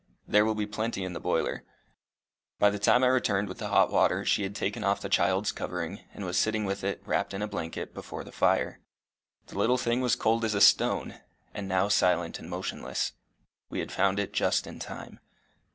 There will be plenty in the boiler." By the time I returned with the hot water, she had taken off the child's covering, and was sitting with it, wrapped in a blanket, before the fire. The little thing was cold as a stone, and now silent and motionless. We had found it just in time.